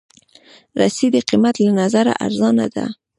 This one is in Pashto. رسۍ د قېمت له نظره ارزانه ده.